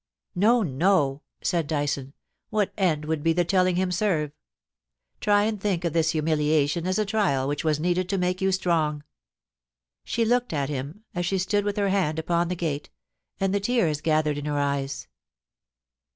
' No, no,' said Dyson ;' what end would the telling bim serve? Try and think of this humiliation as a trial which was needed to make you strong.' She looked at him as she stood with her hand upon the gate, and the tears gathered in her eyes.